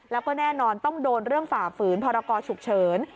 แล้วก็แน่นอนต้องโดนเรื่องฝ่าฝืนพรกรฉุกเฉิน